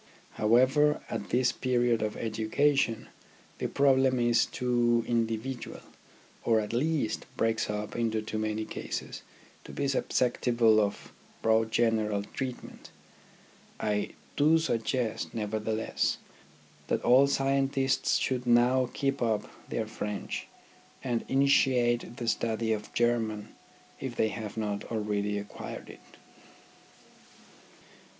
However, at this period of education the problem is too individual, or at least breaks up into too many cases, to be susceptible of broad general treatment. I do suggest, nevertheless, that all scientists should now keep up their French, and initiate the study of German if they have not already acquired it.